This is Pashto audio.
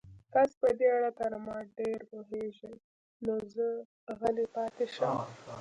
تاسو په دې اړه تر ما ډېر پوهېږئ، نو زه غلی پاتې شم.